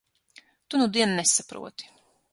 Tu nudien nesaproti.